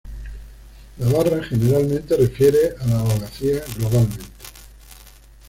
La Barra generalmente refiere a la abogacía globalmente.